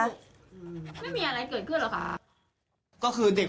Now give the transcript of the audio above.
ไม่มีอะไรเกิดขึ้นหรอกค่ะ